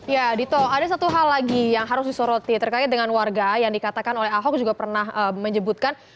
ya dito ada satu hal lagi yang harus disoroti terkait dengan warga yang dikatakan oleh ahok juga pernah menyebutkan